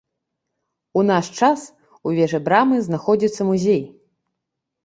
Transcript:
У наш час у вежы брамы знаходзіцца музей.